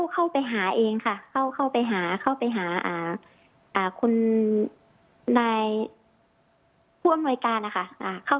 เข้าไปหาเองค่ะเข้าไปหาคุณนายผู้อำนวยการค่ะ